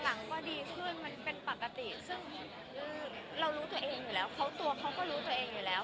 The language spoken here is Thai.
หลังก็ดีขึ้นมันเป็นปกติซึ่งเรารู้ตัวเองอยู่แล้วเขาตัวเขาก็รู้ตัวเองอยู่แล้ว